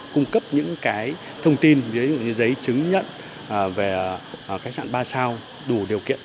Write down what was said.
cung cấp những thông tin giấy chứng nhận về khách sạn ba sao đủ điều kiện